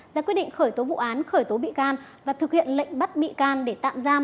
ra quyết định khởi tố vụ án khởi tố bị can và thực hiện lệnh bắt bị can để tạm giam